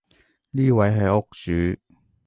呢位係屋主